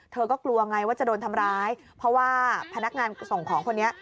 เธอก็กลัวไงว่าจะโดนทำร้ายเพราะว่าพนักงานส่งของคนนี้